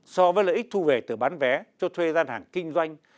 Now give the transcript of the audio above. so với lợi ích thu về từ bán vé cho thuê gian hàng kinh doanh